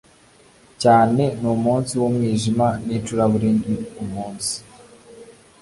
cyane ni umunsi w umwijima n icuraburindi u umunsi